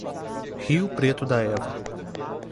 Rio Preto da Eva